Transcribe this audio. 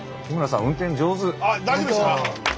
あっ大丈夫でしたか？